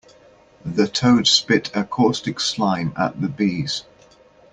The toad spit a caustic slime at the bees.